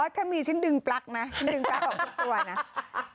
อ๋อถ้ามีฉันดึงปลั๊กนะฉันดึงปลั๊กออกเด่าน่ะ